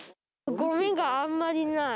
ごみがあんまりない。